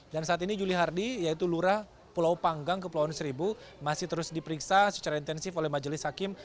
saat ini juli hardi yaitu lurah pulau panggang kepulauan seribu masih terus diperiksa secara intensif oleh majelis hakim